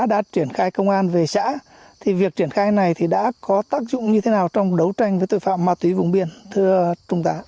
chuyển khai công an về xã thì việc chuyển khai này thì đã có tác dụng như thế nào trong đấu tranh với tội phạm ma túy vùng biển thưa trung tá